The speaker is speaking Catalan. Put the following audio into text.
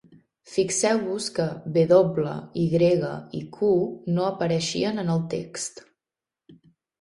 Fixeu-vos que "w", "y", i "q" no apareixien en el text.